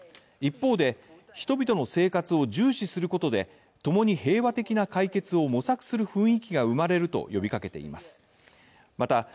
一方で人々の生活を重視することで共に平和的な解決を模索する雰囲気が生まれると呼びかけています。